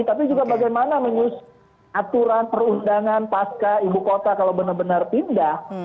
tapi juga bagaimana menyusun aturan perundangan pasca ibu kota kalau benar benar pindah